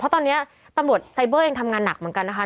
เพราะตอนนี้ตำรวจไซเบอร์ยังทำงานหนักเหมือนกันนะคะ